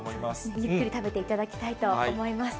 ゆっくり食べていただきたいと思います。